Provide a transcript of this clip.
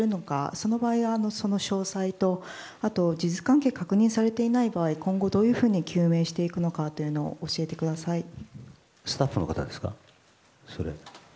その場合はその詳細と事実関係が確認されていない場合今後、どういうふうに究明していくのかをそれはスタッフの方ですか？